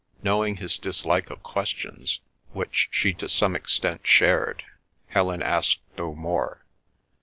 Knowing his dislike of questions, which she to some extent shared, Helen asked no more.